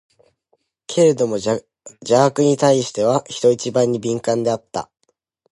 けれども邪悪に対しては、人一倍に敏感であった。